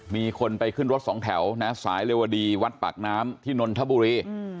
มีคนไปขึ้นรถสองแถวนะสายเรวดีวัดปากน้ำที่นนทบุรี